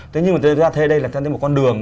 thế nhưng mà thực ra thế đây là một con đường